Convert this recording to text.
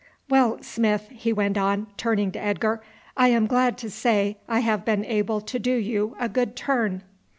Well, Smith," he went on, turning to Edgar, "I am glad to say I have been able to do you a good turn.